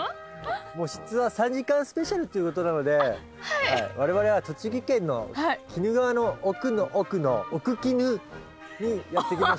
『もしツア』３時間スペシャルということなのでわれわれは栃木県の鬼怒川の奥の奥の奥鬼怒にやって来ました。